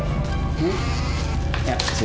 duit sebanyak ini dari mana nih